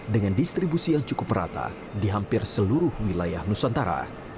dengan distribusi yang cukup merata di hampir seluruh wilayah nusantara